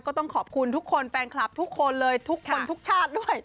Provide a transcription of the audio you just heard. ก็ต้องขอบคุณทุกคนแฟนคลับทุกคนเลยทุกคนทุกชาติด้วย